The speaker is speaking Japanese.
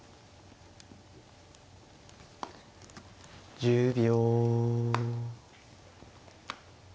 １０秒。